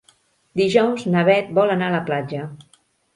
Dijous na Bet vol anar a la platja.